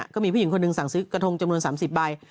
ก็มีผู้หญิงคนหนึ่งสั่งซื้อกระทงจำนวน๓๐ใบ